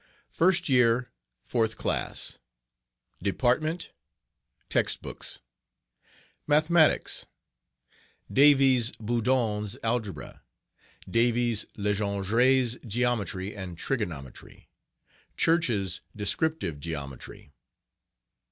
] First Year Fourth Class. DEPARTMENT TEXT BOOKS. Mathematics...............Davies' Boudon's Algebra. Davies' Legendre's Geometry and Trigonometry. Church's Descriptive Geometry.